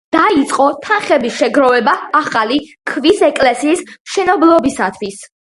დაიწყო თანხების შეგროვება ახალი, ქვის ეკლესიის მშენებლობისათვის.